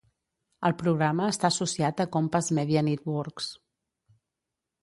El programa està associat a Compass Media Networks.